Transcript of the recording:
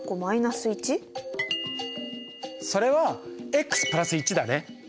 それは＋１だね。